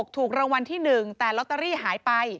ถูกรางวัลที่๑แต่ลอตเตอรี่หายไป